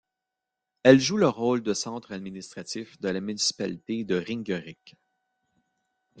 Elle joue le rôle de centre administratif de la municipalité de Ringerike.